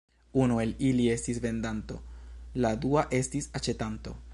Unu el ili estis vendanto, la dua estis aĉetanto.